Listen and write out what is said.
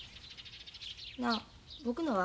なあ僕のは？